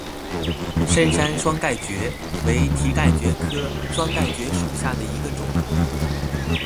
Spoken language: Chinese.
深山双盖蕨为蹄盖蕨科双盖蕨属下的一个种。